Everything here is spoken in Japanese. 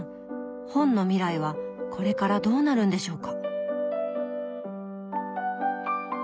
本の未来はこれからどうなるんでしょうか？